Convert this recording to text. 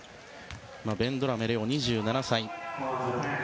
ベンドラメ礼生、２７歳。